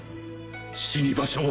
死に場所は